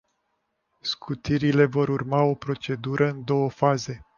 Scutirile vor urma o procedură în două faze.